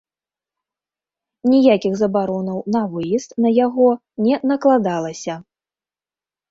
Ніякіх забаронаў на выезд на яго не накладалася.